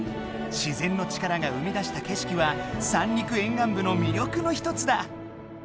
自然の力が生み出した景色は三陸沿岸部の魅力の一つだ！